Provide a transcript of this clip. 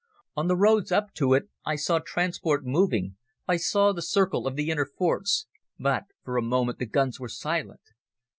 On the roads up to it I saw transport moving, I saw the circle of the inner forts, but for a moment the guns were silent.